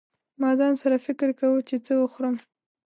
ما ځان سره فکر کاوه چې څه وخورم.